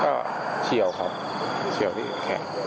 ก็เฉียวครับเฉียวที่แขน